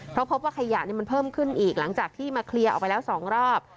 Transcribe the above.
เพราะพบว่าขยะมันเพิ่มขึ้นอีกหลังจากที่มาเคลียร์ออกไปแล้ว๒รอบ